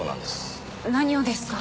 何をですか？